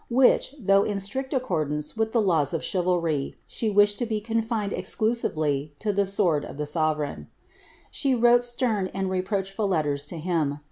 which, though in sltii taccordanre wilh ihc laws of chivalry, she wt'W lo be conlined exclusively to the sword of the sovereign. She wrou stern and reproachful letters (o him.